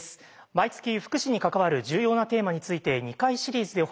毎月福祉に関わる重要なテーマについて２回シリーズで掘り下げる特集。